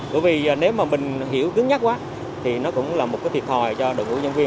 bởi vì nếu mà mình hiểu cứng nhất quá thì nó cũng là một thiệt hồi cho đội hướng dẫn viên